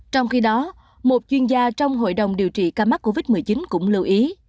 trong khi đó một chuyên gia trong hội đồng điều trị ca mắc covid một mươi chín cũng lưu ý